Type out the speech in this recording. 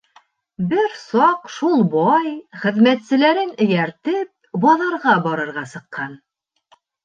Бер саҡ шул бай, хеҙмәтселәрен эйәртеп, баҙарға барырға сыҡҡан.